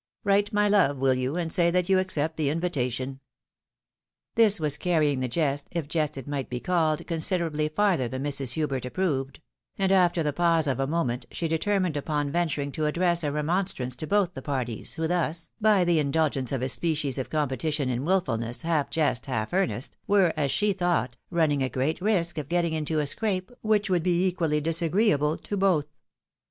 " Write, my love, wiU you, and say that you accept the invitation." This was carrying the jest, if jest it might be called, conr siderably farther than Mrs. Hubert approved; and after the pause of a moment she determined upon venturing to address a remonstrance to both the parties, who thus, by the indulgence of a species of competition in wilfulness, half jest, half earnest, were, as she thought, running a great risk of getting into a scrape which would be equally disagreeable to both.